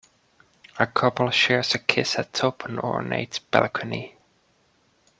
A couple shares a kiss atop an ornate balcony.